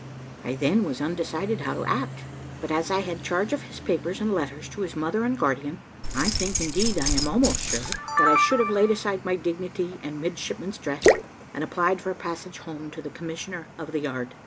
I then was undecided how to act; but, as I had charge of his papers and letters to his mother and guardian, I think, indeed I am almost sure that I should have laid aside my dignity and midshipman's dress, and applied for a passage home to the commissioner of the yard.